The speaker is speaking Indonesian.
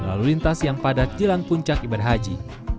lalu lintas yang padat jelang puncak ibadah haji